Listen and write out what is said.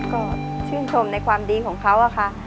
ก็ชื่นชมในความดีของเขาอะค่ะ